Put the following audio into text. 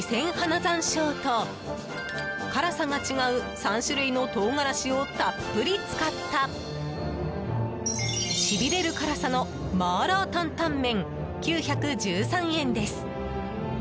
山椒と辛さが違う３種類の唐辛子をたっぷり使ったしびれる辛さの麻辣担々麺９１３円です。